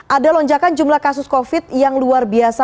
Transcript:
ada lonjakan jumlah kasus covid yang luar biasa